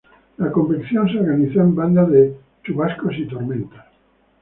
La convección se organizó en bandas de chubascos y tormentas.